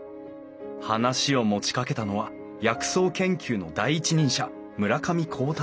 話を持ちかけたのは薬草研究の第一人者村上光太郎教授。